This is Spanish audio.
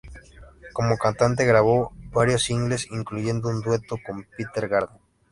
Como cantante, grabó varios singles, incluyendo un dueto con Peter Garden.